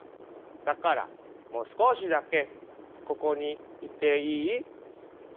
だからもう少しだけここにいていい？」。